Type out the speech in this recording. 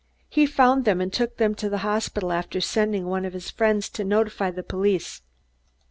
He found them and took them to the hospital after sending one of his friends to notify the police."